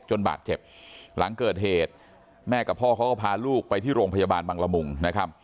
บาดเจ็บหลังเกิดเหตุแม่กับพ่อเขาก็พาลูกไปที่โรงพยาบาลบังละมุงนะครับ